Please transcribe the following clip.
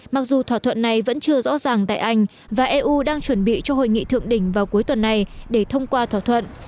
mặc dù thỏa thuận này vẫn chưa rõ ràng tại anh và eu đang chuẩn bị cho hội nghị thượng đỉnh vào cuối tuần này để thông qua thỏa thuận